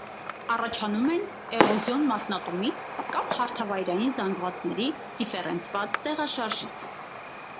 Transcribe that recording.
Առաջանում են էրոզիոն մասնատումից կամ հարթավայրային զանգվածների դիֆերենցված տեղաշարժից։